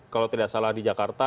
kalau tidak salah di jakarta